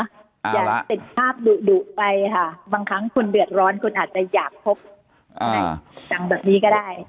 อย่าติดภาพดุดุไปค่ะบางครั้งคนเดือดร้อนคุณอาจจะอยากพบอะไรดังแบบนี้ก็ได้